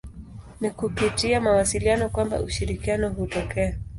Ni kupitia mawasiliano kwamba ushirikiano hutokea.